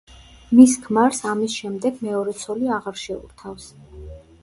მის ქმარს ამის შემდეგ მეორე ცოლი აღარ შეურთავს.